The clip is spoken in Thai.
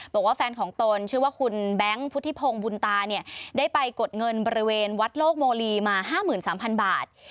บอกว่าแฟนของตนชื่อว่าคุณแบงค์พุทธิพงศ์บุญตาเนี่ยได้ไปกดเงินบริเวณวัดโลกโมลีมา๕๓๐๐บาท